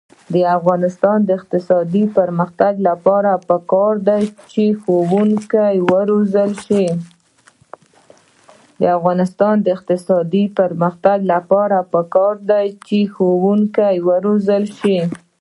د افغانستان د اقتصادي پرمختګ لپاره پکار ده چې ښوونکي وروزل شي.